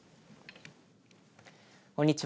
こんにちは。